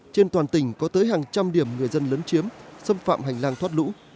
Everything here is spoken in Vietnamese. trên toàn tỉnh có tới hàng trăm điểm người dân lấn chiếm xâm phạm hành lang thoát lũ